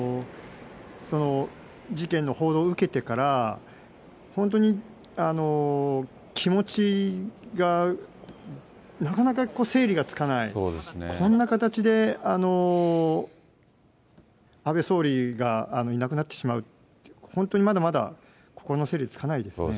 事件の報道を受けてから、本当に気持ちがなかなか整理がつかない、こんな形で安倍総理がいなくなってしまうって、本当にまだまだ心の整理つかないですね。